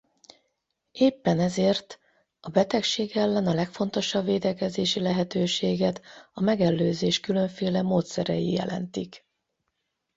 Éppen ezért a betegség ellen a legfontosabb védekezési lehetőséget a megelőzés különféle módszerei jelentik.